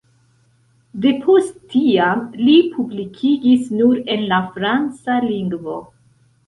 Depost tiam li publikigis nur en la franca lingvo.